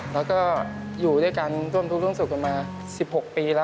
แล้วก็อยู่ด้วยกันร่วมทุกข์ร่วมสุขกันมา๑๖ปีแล้ว